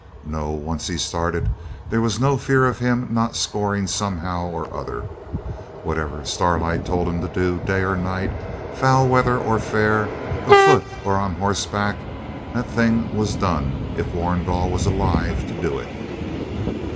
No; once he'd started there was no fear of him not scoring somehow or other. Whatever Starlight told him to do, day or night, foul weather or fair, afoot or on horseback, that thing was done if Warrigal was alive to do it.